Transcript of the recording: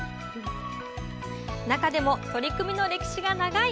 中でも取り組みの歴史が長い